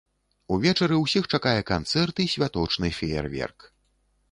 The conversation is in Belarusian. Увечары ўсіх чакае канцэрт і святочны феерверк.